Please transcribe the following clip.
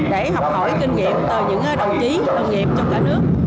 để học hỏi kinh nghiệm từ những đồng chí nông nghiệp trong cả nước